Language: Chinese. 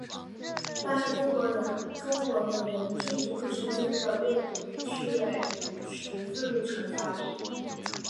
但是中国的人均读书时间的阅读率却与识字率呈反比。